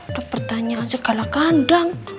udah pertanyaan segala kandang